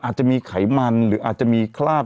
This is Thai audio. อาจจะมีไขมันหรืออาจจะมีคราบ